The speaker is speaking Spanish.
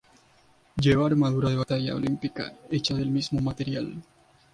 Lleva armadura de batalla olímpica hecha del mismo material.